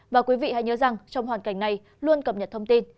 và quý vị hãy nhớ rằng trong hoàn cảnh này luôn cập nhật thông tin